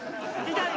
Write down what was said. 痛い！